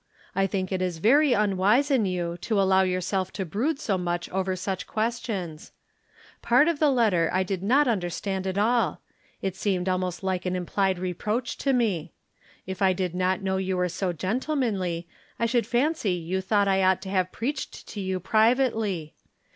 I think it is very unwise in you to allow yourself to brood so much over such questions. Part of the letter I did not imderstand at aU ; it seemed almost lilie an implied reproach to me. If I did not know you were too gentlemanly I should fancy you thought I ought to have preached to you privately.